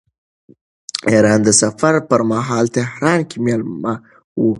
ایران ته د سفر پرمهال تهران کې مېلمه و.